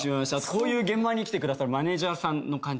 こういう現場に来てくださるマネジャーさんの感じとか。